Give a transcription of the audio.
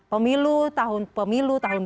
pemilu tahun pemilu tahun